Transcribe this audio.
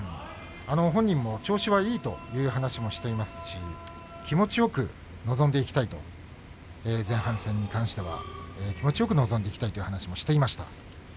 本人も調子はいいという話をしていますし前半戦に関しては気持ちよく臨んでいきたいという話もしていました。